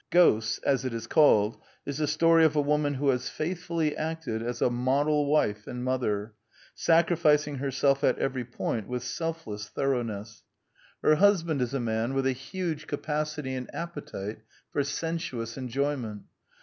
Ghosts, as it is called, is the story of a woman who has faithfully acted as a model wife and mother, sacrificing herself at every point with selfless thoroughness. Her hus The Anti Idealist Plays 93 band is a man with a huge capacity and appetite for sensuous enjoyment.